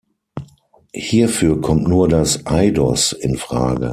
Hierfür kommt nur das eidos in Frage.